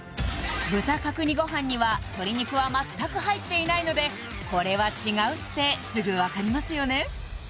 豚角煮ごはんには鶏肉は全く入っていないのでこれは違うってすぐ分かりますよね